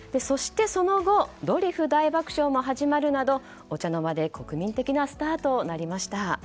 その後「ドリフ大爆笑」も始まるなどお茶の間で国民的なスターとなりました。